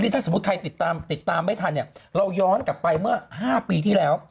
ถ้าใครติดตามไม่ทันเราย้อนกลับไปเมื่อ๕ปีที่แล้ว